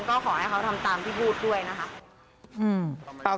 ก็ขอให้เขาทำตามที่พูดด้วยนะคะ